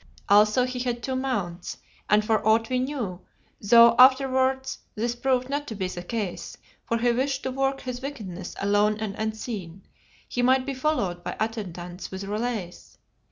Also he had two mounts, and for aught we knew though afterwards this proved not to be the case, for he wished to work his wickedness alone and unseen he might be followed by attendants with relays.